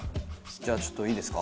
じゃあちょっといいですか？